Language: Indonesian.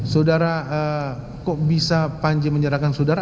saudara kok bisa panji menyerahkan saudara